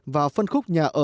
vào phân khúc nhà ở